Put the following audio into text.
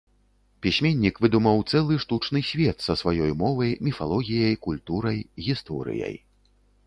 Пісьменнік выдумаў цэлы штучны свет, са сваёй мовай, міфалогіяй, культурай, гісторыяй.